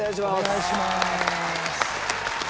お願いします。